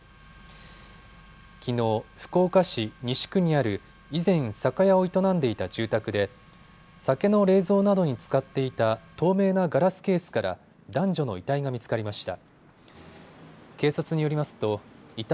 きのう、福岡市西区にある以前、酒屋を営んでいた住宅で酒の冷蔵などに使っていた透明なガラスケースから男女の遺体が見つかりました。